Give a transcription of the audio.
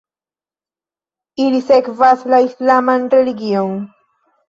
Ili sekvas la islaman religion.